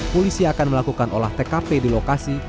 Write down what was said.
polisi akan melakukan olah tkp di lokasi